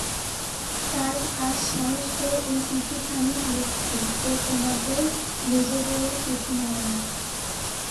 তাই আজ সাহস করে এই চিঠিখানি লিখছি, এ তোমাদের মেজোবউয়ের চিঠি নয়।